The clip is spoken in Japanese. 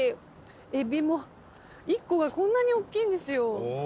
えびも１個がこんなにおっきいんですよ。